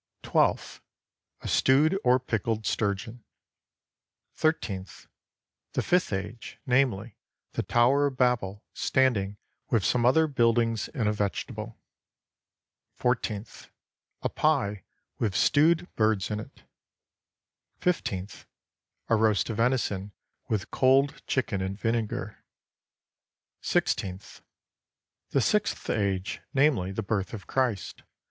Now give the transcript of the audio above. Twelfth A stewed or pickled sturgeon. Thirteenth The fifth age, namely, the Tower of Babel, standing with some other buildings in a vegetable. Fourteenth A pie with stewed birds in it. Fifteenth A roast of venison with cold chicken in vinegar. 282 A FUNERAL MENU Sixteenth The sixth age, namely, the birth of Christ.